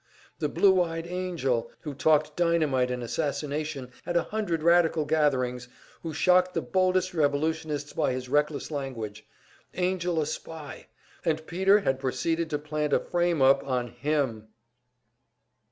The Blue eyed Angell, who talked dynamite and assassination at a hundred radical gatherings, who shocked the boldest revolutionists by his reckless language Angell a spy, and Peter had proceeded to plant a "frame up" on him!